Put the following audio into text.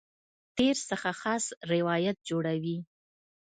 تېر څخه خاص روایت جوړوي.